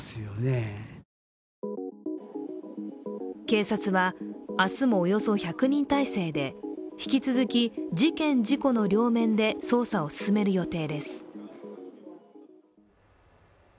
警察は明日も、およそ１００人態勢で引き続き、事件・事故の両面で捜査を進める予定です。